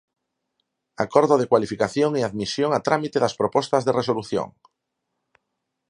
Acordo de cualificación e admisión a trámite das propostas de resolución.